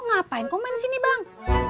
ngapain kau main sini bang